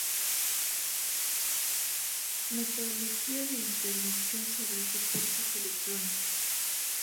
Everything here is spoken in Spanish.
Metodología de intervención sobre soportes electrónicos".